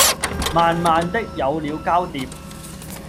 慢慢的有了交疊